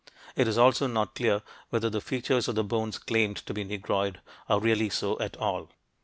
It is also not clear whether the features of the bones claimed to be "Negroid" are really so at all.